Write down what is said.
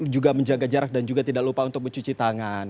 juga menjaga jarak dan juga tidak lupa untuk mencuci tangan